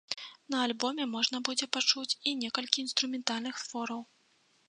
На альбоме можна будзе пачуць і некалькі інструментальных твораў.